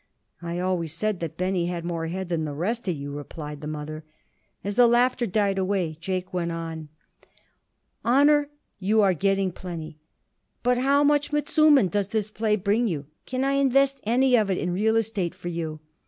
"I always said that Benny had more head than the rest of you," replied the mother. As the laughter died away, Jake went on: "Honor you are getting plenty; but how much mezummen does this play bring you? Can I invest any of it in real estate for you?"